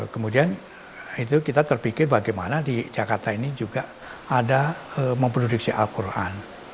kemudian itu kita terpikir bagaimana di jakarta ini juga ada memproduksi al quran